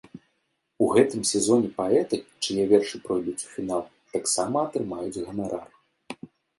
У гэтым сезоне паэты, чые вершы пройдуць у фінал, таксама атрымаюць ганарар.